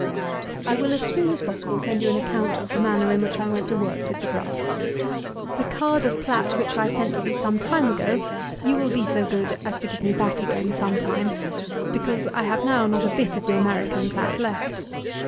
I will, as soon as possible, send you an account of the manner in which I went to work with the grass. The card or plat, which I sent you some time ago, you will be so good as to give me back again some time; because I have now not a bit of the American plat left.